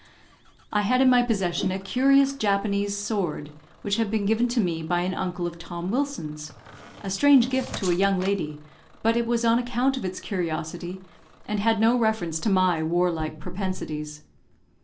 I had in my possession a curious Japanese sword, which had been given to me by an uncle of Tom Wilson's a strange gift to a young lady; but it was on account of its curiosity, and had no reference to my warlike propensities.